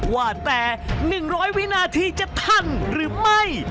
ว่าแต่๑๐๐วินาทีจะทันหรือไม่